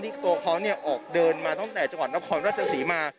ที่ตัวเขาเนี่ยออกเดินมาตั้งแต่จังหวัดนครรัฐศรีมา